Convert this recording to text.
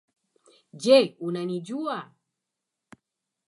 Je unanijua